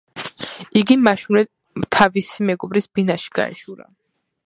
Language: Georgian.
იგი მაშინვე თავის მეგობრის ბინაში გაეშურა.